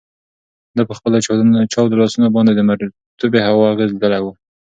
ده په خپلو چاودو لاسونو باندې د مرطوبې هوا اغیز لیدلی و.